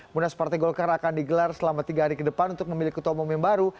munas partai golkar akan digelar selama tiga hari ke depan untuk memilih ketua umum yang baru